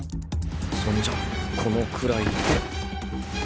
そんじゃこのくらいで